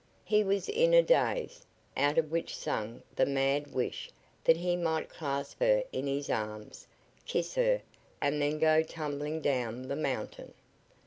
He was in a daze, out of which sung the mad wish that he might clasp her in his arms, kiss her, and then go tumbling down the mountain.